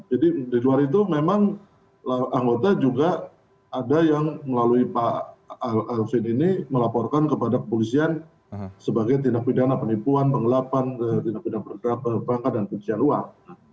jadi di luar itu memang anggota juga ada yang melalui pak alvin ini melaporkan kepada kepolisian sebagai tindak pidana penipuan pengelapan tindak pidana pergerakan dan kepolisian luar